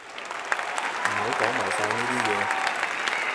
唔好講埋晒呢啲嘢